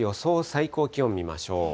最高気温見ましょう。